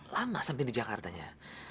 lama sampe di jakartanya